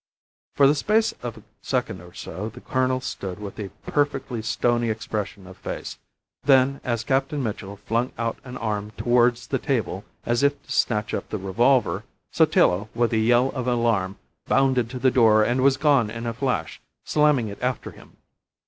For the space of a second or so the colonel stood with a perfectly stony expression of face; then, as Captain Mitchell flung out an arm towards the table as if to snatch up the revolver, Sotillo, with a yell of alarm, bounded to the door and was gone in a flash, slamming it after him.